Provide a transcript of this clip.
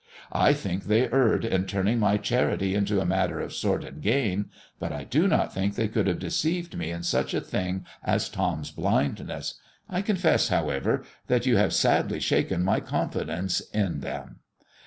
I think they erred in turning my charity into a matter of sordid gain, but I do not think they could have deceived me in such a thing as Tom's blindness. I confess, however, that you have sadly shaken my confidence in them."